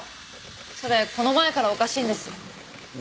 それこの前からおかしいんです。